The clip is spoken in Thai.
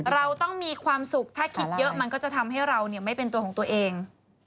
เราต้องมีความสุขถ้าคิดเยอะมันก็จะทำให้เราไม่เป็นตัวของตัวเอง